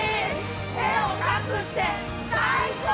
絵を描くって最高！